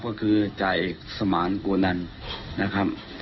ก็คือจ่ายเอกสมานโกนันนะครับ